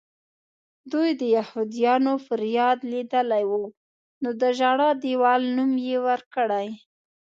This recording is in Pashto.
دوی د یهودیانو فریاد لیدلی و نو د ژړا دیوال نوم یې ورکړی.